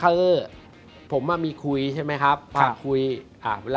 คือผมมีคุยใช่ไหมครับ